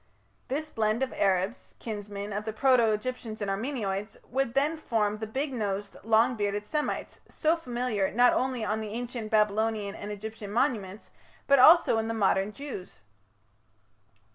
"This blend of Arabs, kinsmen of the proto Egyptians and Armenoids, would then form the big nosed, long bearded Semites, so familiar not only on the ancient Babylonian and Egyptian monuments, but also in the modern Jews."